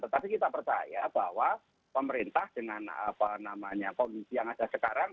tetapi kita percaya bahwa pemerintah dengan kondisi yang ada sekarang